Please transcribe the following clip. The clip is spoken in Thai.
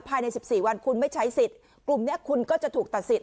ภายใน๑๔วันคุณไม่ใช้สิทธิ์กลุ่มนี้คุณก็จะถูกตัดสิท